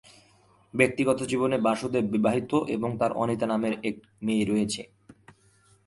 ব্যক্তিগত জীবনে বাসুদেব বিবাহিত এবং তার অনিতা নামে এক মেয়ে রয়েছে।